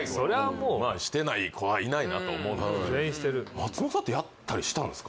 もうまあしてない子はいないなと思う全員してる松本さんやったりしたんですか？